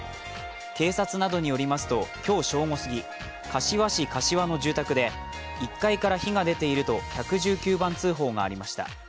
警察などによりますと、今日正午すぎ、柏市柏の住宅で１階から火が出ていると１１９番通報がありました。